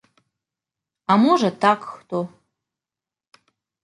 А можа, так хто.